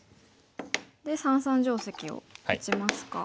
で三々定石を打ちますか。